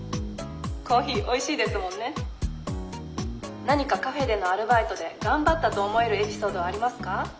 「コーヒーおいしいですもんね。何かカフェでのアルバイトで頑張ったと思えるエピソードはありますか？」。